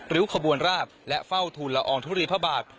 ริ้วขบวนราบและเฝ้าทูลอองธุริพบาท